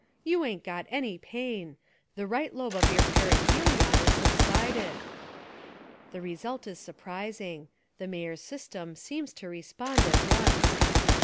"You ain't got any pain. The right lobe of your perihelion is subsided." The result is surprising. The Mayor's sys tem seems to respond at once.